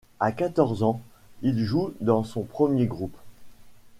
À quatorze ans, il joue dans son premier groupe.